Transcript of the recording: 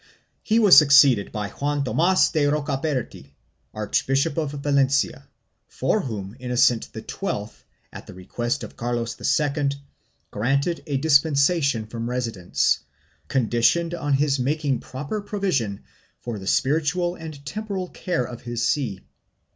He was succeeded by Juan Thomas de Rocaberti, Arch bishop of Valencia, for whom Innocent XII, at the request of Carlos II, granted a dispensation from residence, conditioned on his making proper provision for the spiritual and temporal care of his see.